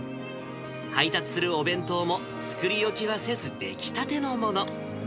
配達するお弁当も作り置きはせず、出来たてのもの。